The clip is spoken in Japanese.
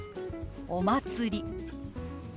「お祭り」。